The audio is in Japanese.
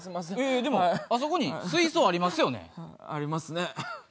えでもあそこに水槽ありますよね？ありますね。